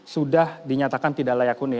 sudah dinyatakan tidak layak huni